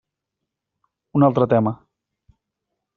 Un altre tema.